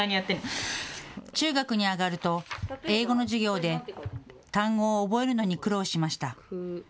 中学に上がると英語の授業で単語を覚えるのに苦労しました。